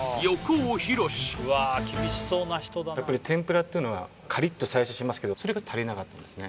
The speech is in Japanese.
やっぱり天ぷらっていうのはカリッと最初しますけどそれが足りなかったんですね